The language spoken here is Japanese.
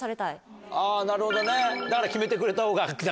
あなるほどねだから決めてくれたほうが。